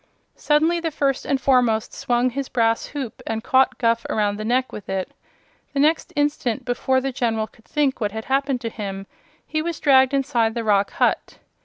Suddenly the First and Foremost swung his brass hoop and caught Guph around the neck with it. The next instant, before the General could think what had happened to him, he was dragged inside the rock hut.